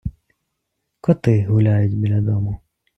Коти гуляють біля дому